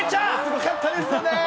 よかったですね。